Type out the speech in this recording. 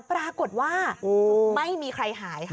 ปรากฏว่าไม่มีใครหายค่ะ